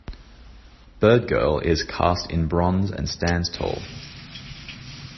"Bird Girl" is cast in bronze and stands tall.